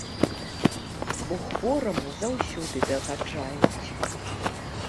Бо хвораму заўсёды дагаджаюць.